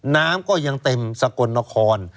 น้ำก็ยังเต็มสกลนคร